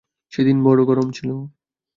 সেদিন বড়ো গরম ছিল।